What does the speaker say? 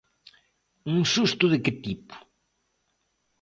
Un susto de que tipo?